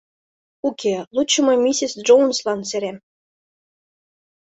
Уке, лучо мый миссис Джоунслан серем.